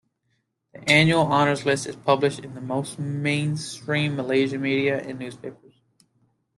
The annual Honours List is published in most mainstream Malaysian media and newspapers.